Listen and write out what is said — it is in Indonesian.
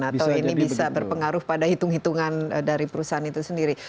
atau ini bisa berpengaruh pada hitung hitungan dari perusahaan itu sendiri